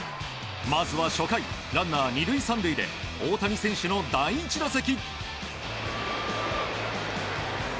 まずは初回、ランナー２塁３塁で大谷選手の第１打席。